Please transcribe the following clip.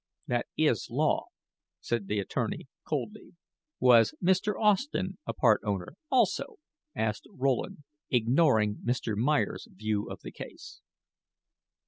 "That is law," said the attorney, coldly. "Was Mr. Austen a part owner, also?" asked Rowland, ignoring Mr. Meyer's view of the case.